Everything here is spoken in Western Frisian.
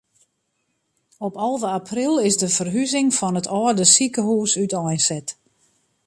Op alve april is de ferhuzing fan it âlde sikehús úteinset.